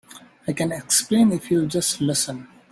I can explain if you'll just listen.